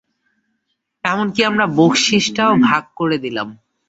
এমনকি আমরা বখশিশ টাও ভাগ করে দিলাম।